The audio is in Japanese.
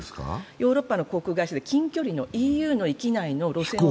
ヨーロッパの航空会社で近距離のＥＵの域内を。